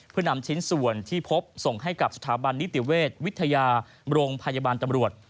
เพื่อนำชิ้นส่วนที่พบส่งให้กับสถาบันนิติเวชวิทยาโรงพยาบาลตำรวจ